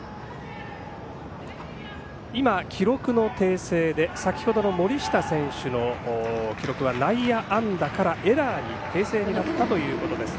今、記録の訂正で先ほどの森下選手の記録は内野安打からエラーに訂正になったということです。